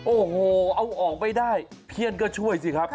โอ้โหเอาออกไม่ได้เพี้ยนก็ช่วยสิครับ